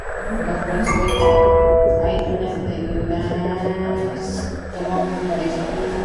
Bajo el suelo hay túneles de las Catacumbas de París.